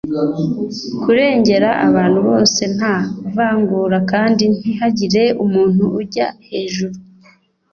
Kurengera abantu bose nta vangura kandi ntihagire umuntu ujya hejuru